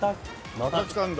また来たんだ。